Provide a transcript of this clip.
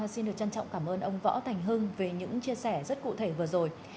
xin được trân trọng cảm ơn ông võ thành hưng về những chia sẻ rất cụ thể vừa rồi